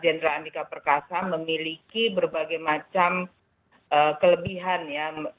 jenderal andika perkasa memiliki berbagai macam kelebihan ya